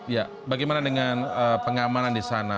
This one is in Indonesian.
ya bagaimana dengan pengamanan di sana